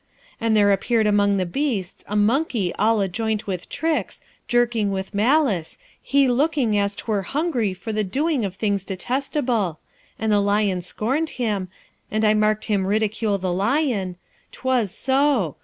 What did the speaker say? And there appeared among the beasts a monkey all ajoint with tricks, jerking with malice, he looking as 'twere hungry for the doing of things detestable; and the lion scorned him, and I marked him ridicule the lion: 'twas so.